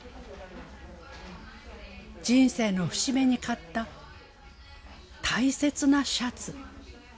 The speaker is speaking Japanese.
人生の節目に買った大切なシャツ。